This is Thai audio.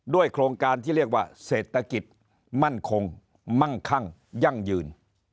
โครงการที่เรียกว่าเศรษฐกิจมั่นคงมั่งคั่งยั่งยืน